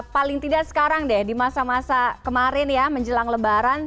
paling tidak sekarang deh di masa masa kemarin ya menjelang lebaran